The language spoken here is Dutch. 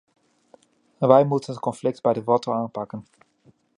Wij moeten het conflict bij de wortel aanpakken.